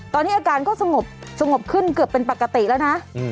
ตอนนี้อาการก็สงบขึ้นเกือบเป็นปกติแล้วนะ